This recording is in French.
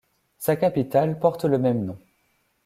Sa capitale porte le même nom.